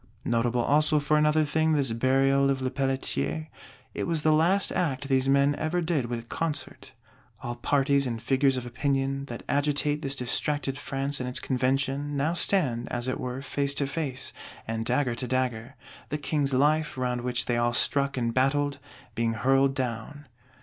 Notable also for another thing this Burial of Lepelletier; it was the last act these men ever did with concert! All parties and figures of Opinion, that agitate this distracted France and its Convention, now stand, as it were, face to face, and dagger to dagger; the King's Life, round which they all struck and battled, being hurled down.